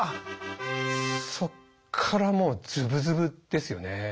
そっからもうずぶずぶですよね。